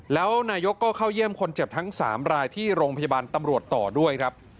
แล้วนายกก็เข้าเยี่ยมคนเจ็บทั้ง๓รายที่โรงพยาบาลตำรวจต่อด้วยครับ